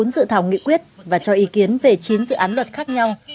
bốn dự thảo nghị quyết và cho ý kiến về chín dự án luật khác nhau